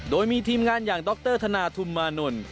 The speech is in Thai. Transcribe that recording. โดยมีทีมงานอย่างดรธนาธุมมานนท์